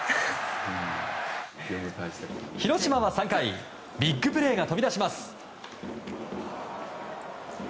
広島は３回、ビッグプレーが飛び出します。